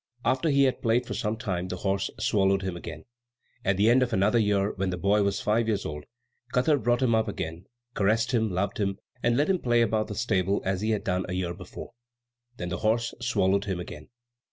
After he had played for some time, the horse swallowed him again. At the end of another year, when the boy was five years old, Katar brought him up again, caressed him, loved him, and let him play about the stable as he had done a year before. Then the horse swallowed him again.